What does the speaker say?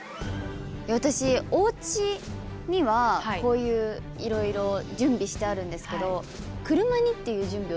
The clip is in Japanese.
私おうちにはこういういろいろ準備してあるんですけど車にっていう準備をしてないなと思って。